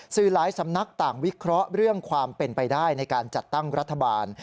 สื่อหลายสำนักต่างวิเคราะห์เรื่องความเป็นไปได้ในการจัดตั้งรัฐบาล